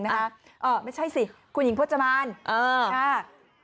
ขอยหลังนิดหนึ่งจะขึ้นรถขอยหลังนิดหนึ่ง